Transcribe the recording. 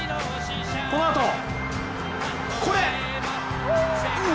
このあとこれ！